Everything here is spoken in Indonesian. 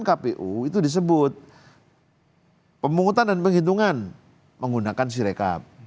peraturan kpu itu disebut pemungutan dan penghitungan menggunakan si rekap